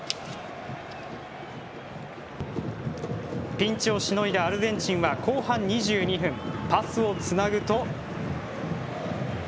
ピンチをしのいだアルゼンチンは後半２２分パスをつなぐと。